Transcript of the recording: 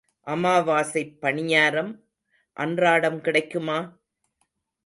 அமாவாசைப் பணியாரம் அன்றாடம் கிடைக்குமா?